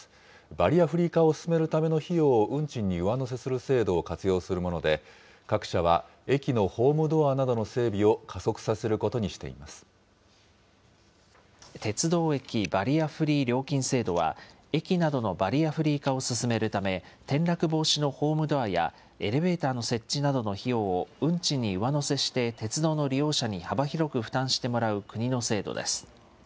バリアフリー化を進めるための費用を運賃に上乗せする制度を活用するもので、各社は駅のホームドアなどの整備を加速させることに鉄道駅バリアフリー料金制度は、駅などのバリアフリー化を進めるため、転落防止のホームドアや、エレベーターの設置などの費用を運賃に上乗せして鉄道の利用者に幅広く負担してもらう国の制度です。